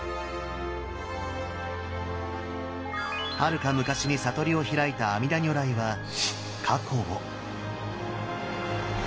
はるか昔に悟りを開いた阿弥陀如来は過去を。